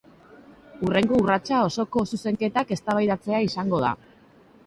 Hurrengo urratsa osoko zuzenketak eztabaidatzea izango da.